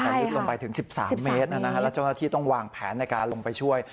แต่ลึกลงไปถึง๑๓เมตรแล้วเจ้าหน้าที่ต้องวางแผนในการลงไปช่วย